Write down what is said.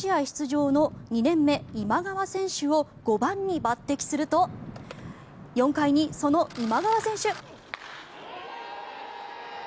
出場の２年目、今川選手を５番に抜てきすると４回に、その今川選手。